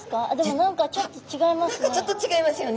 何かちょっと違いますよね。